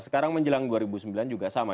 sekarang menjelang dua ribu sembilan juga sama